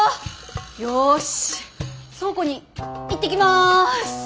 よし倉庫に行ってきます。